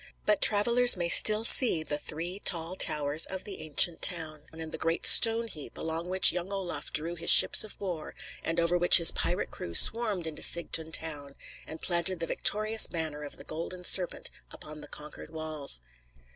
But travellers may still see the three tall towers of the ancient town, and the great stone heap, alongside which young Olaf drew his ships of war, and over which his pirate crew swarmed into Sigtun town, and planted the victorious banner of the golden serpent upon the conquered walls.